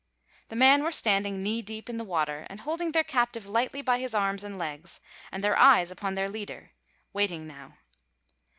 The men were standing knee deep in the water and holding their captive lightly by his arms and legs, their eyes upon their leader, waiting now.